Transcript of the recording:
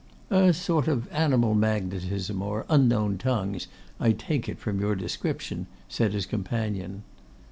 'A sort of animal magnetism, or unknown tongues, I take it from your description,' said his companion.